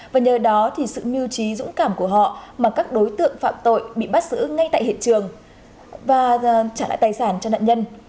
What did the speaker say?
và nhờ đó sự mưu trí dũng cảm của họ mà các đối tượng phạm tội bị bắt giữ ngay tại hiện trường và trả lại tài sản cho nạn nhân